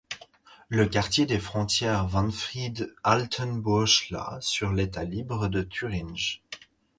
Le quartier des frontières Wanfried-Altenburschla sur l'État libre de Thuringe.